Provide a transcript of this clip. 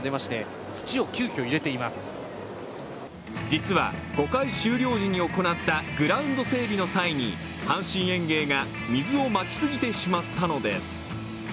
実は５回終了時に行ったグラウンド整備の際に阪神園芸が水をまきすぎてしまったのです。